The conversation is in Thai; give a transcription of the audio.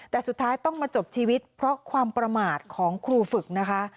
แต่สุดท้ายต้องมาจบชีวิตเพราะความประมาทของครูฝึกนะคะ